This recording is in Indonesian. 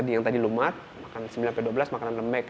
yang tadi lumat sembilan sampai dua belas makanan lembek